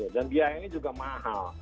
dan biayanya juga mahal